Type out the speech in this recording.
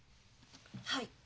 はい。